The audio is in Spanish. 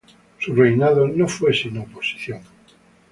Su reinado no fue sin oposición.